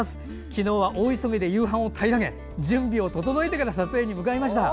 昨日は大急ぎで夕飯を平らげ準備を整えてから撮影に向かいました。